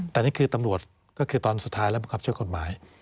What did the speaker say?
แต่นี่คือตำรวจก็คือตอนสุดท้ายแล้วบังคับช่วยกฎหมาย